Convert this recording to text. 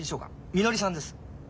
みのりさんです。